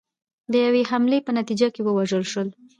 د یوې حملې په نتیجه کې ووژل شول